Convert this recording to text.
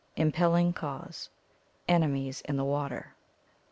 Impelling Cause Enemies in the Water.